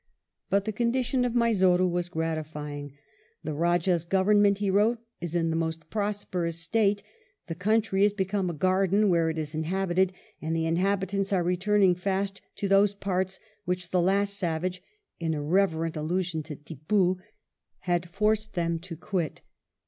But the condition of Mysore was gratifying. " The Rajah's government,*' he wrote, " is in the most prosperous state 3 the country is become a garden where it is inhabited, and the inhabit ants are returning fast to those parts which the last savage [an irreverent allusion to Tippoo] had forced them to quit.''